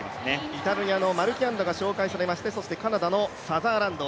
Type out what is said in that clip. イタリアのマルキアンドが紹介されましてカナダのサザーランド。